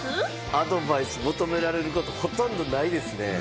アドバイスを求められること、ほとんどないですね。